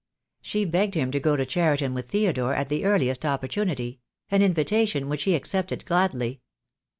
She begged him to go to Cheriton with Theodore at the earliest opportunity — an invitation which he accepted gladly.